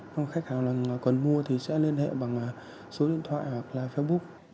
các khách hàng còn mua thì sẽ liên hệ bằng số điện thoại hoặc là facebook